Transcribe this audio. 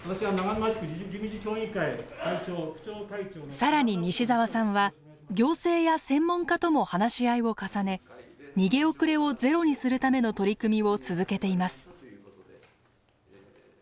更に西澤さんは行政や専門家とも話し合いを重ね逃げ遅れをゼロにするための取り組みを続けています。